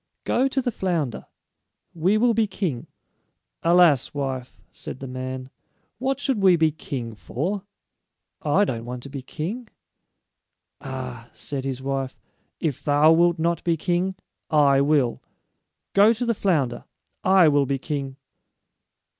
Go to the flounder. We will be king." "Alas, wife," said the man, "what should we be king for? I don't want to be king." "Ah," said his wife, "if thou wilt not be king, I will. Go to the flounder. I will be king."